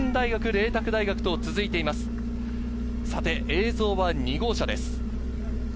映像は２号車です。